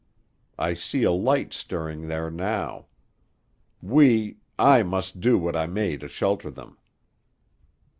I see a light stirring there now. We—I must do what I may to shelter them."